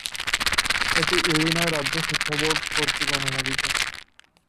এটি ইলিনয় রাজ্য শিক্ষা বোর্ড কর্তৃক অনুমোদিত।